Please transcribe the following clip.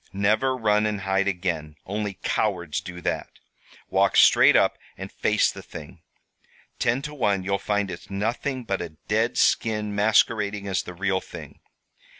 'Never run and hide again. Only cowards do that. Walk straight up and face the thing. Ten to one you'll find it's nothing but a dead skin masquerading as the real thing.